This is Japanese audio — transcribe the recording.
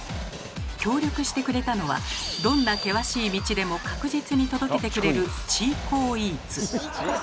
協力してくれたのはどんな険しい道でも確実に届けてくれる「ＣｈｉｃｏＥａｔｓ」。